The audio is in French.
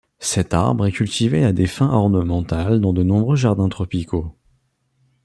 Cet arbre est cultivé à des fins ornementales dans de nombreux jardins tropicaux.